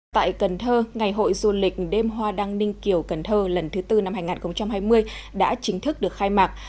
tại cần thơ ngày hội du lịch đêm hoa đăng ninh kiều cần thơ lần thứ tư năm hai nghìn hai mươi đã chính thức được khai mạc